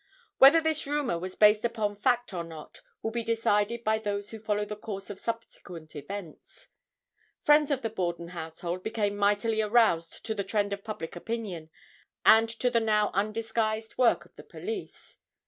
Whether this rumor was based upon fact or not will be decided by those who follow the course of subsequent events. Friends of the Borden household became mightily aroused to the trend of public opinion and to the now undisguised work of the police.